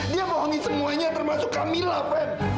dia bohongi semuanya termasuk kami laven